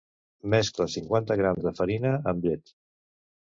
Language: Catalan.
Mescla cinquanta grams de farina amb llet.